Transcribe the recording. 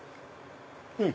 うん！